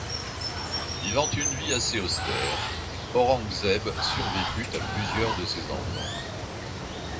Vivant une vie assez austère, Aurangzeb survécut à plusieurs de ses enfants.